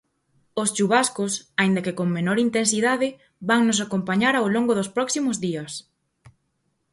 Os chuvascos, aínda que con menor intensidade, vannos acompañar ao longo dos próximos días.